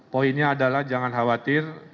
poinnya adalah jangan khawatir